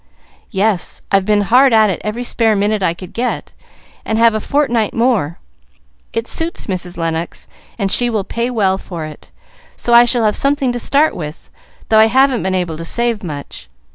"Yes: I've been hard at it every spare minute I could get, and have a fortnight more. It suits Mrs. Lennox, and she will pay well for it, so I shall have something to start with, though I haven't been able to save much.